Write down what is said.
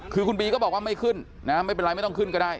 คือคุณบีก็บอกว่าไม่ขึ้นนะไม่เป็นไรไม่ต้องขึ้นก็ได้